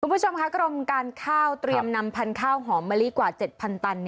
คุณผู้ชมค่ะกรมการข้าวเตรียมนำพันธุ์ข้าวหอมมะลิกว่า๗๐๐ตัน